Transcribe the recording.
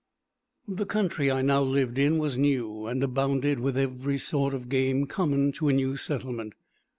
The country I now lived in was new, and abounded with every sort of game common to a new settlement.